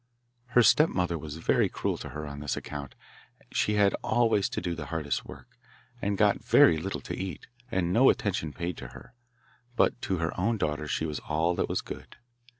Her stepmother was very cruel to her on this account; she had always to do the hardest work, and got very little to eat, and no attention paid to her; but to her own daughter she was all that was good.